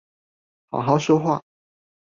好好說話